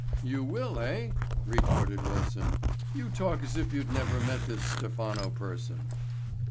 "You will, eh," retorted Wilson. "You talk as if you'd never met this Stephano person."